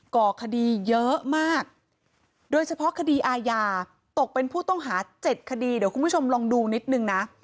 ก่อคดีเยอะมากโดยเฉพาะคดีอาญาตกเป็นผู้ต้องหา๗คดีเดี๋ยวคุณผู้ชมลองดูนิดนึงนะ